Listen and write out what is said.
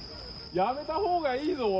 やめたほうがいいぞ。